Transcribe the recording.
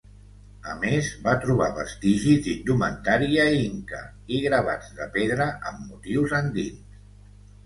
A més, va trobar vestigis d'indumentària inca i gravats de pedra amb motius andins.